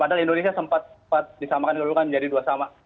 dan indonesia sempat disamakan dulu kan menjadi dua sama